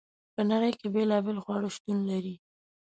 په نړۍ کې بیلابیل خواړه شتون لري.